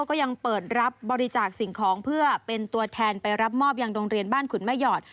ก็ยังเปิดรับบริจาคสิ่งของเพื่อเป็นตัวแทนไปรับมอบยังโรงเรียนบ้านขุนแม่หยอด